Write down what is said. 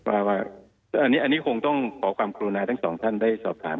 ว่าอันนี้คงต้องขอความกรุณาทั้งสองท่านได้สอบถาม